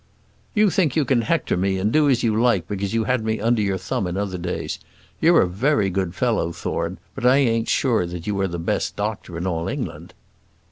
"You think you can hector me, and do as you like because you had me under your thumb in other days. You're a very good fellow, Thorne, but I ain't sure that you are the best doctor in all England."